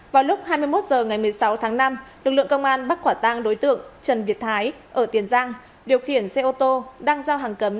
vào lúc hai mươi một h ngày một mươi sáu tháng năm lực lượng công an bắt quả tang đối tượng trần việt thái ở tiền giang điều khiển xe ô tô đang giao hàng cấm